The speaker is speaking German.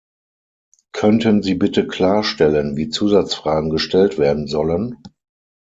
Könnten Sie bitte klarstellen, wie Zusatzfragen gestellt werden sollen?